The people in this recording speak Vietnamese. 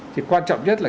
thì quan trọng nhất là